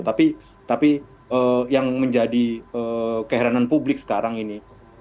tapi tapi yang menjadi keheranan publik sekarang ini